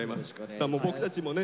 さあ僕たちもね